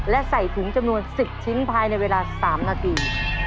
และใส่ถุงจำนวน๑๐ชิ้นภายในเวลา๓นาที